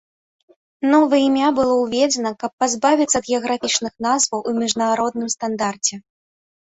Новае імя было ўведзена, каб пазбавіцца ад геаграфічных назваў у міжнародным стандарце.